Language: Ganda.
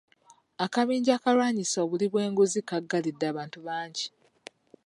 Akabinja akalwanyisa obuli bw'enguzi kaggalidde abantu bangi.